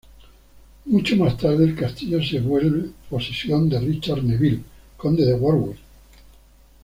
Mucho más tarde el castillo se vuele posesión de Richard Neville, conde de Warwick.